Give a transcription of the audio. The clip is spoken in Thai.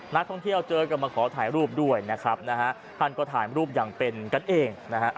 นักท่องเที่ยวเจอกันมาขอถ่ายรูปด้วยนะครับนะฮะท่านก็ถ่ายรูปอย่างเป็นกันเองนะฮะ